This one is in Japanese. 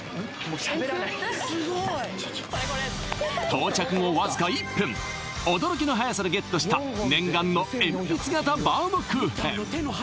到着後わずか１分驚きのはやさでゲットした念願のえんぴつ型バウムクーヘン